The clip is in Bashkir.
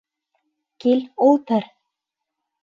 Кил, ултыр!